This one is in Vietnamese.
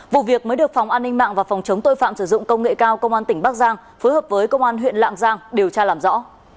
vụ việc mới được phòng an ninh mạng và phòng chống tội phạm sử dụng công nghệ cao công an tỉnh bắc giang phối hợp với công an huyện lạng giang điều tra làm rõ